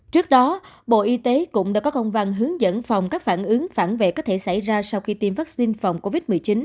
trước đó bộ y tế cũng đã có công văn hướng dẫn phòng các phản ứng phản vệ có thể xảy ra sau khi tiêm vaccine phòng covid một mươi chín